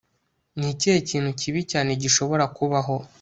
Ni ikihe kintu kibi cyane gishobora kubaho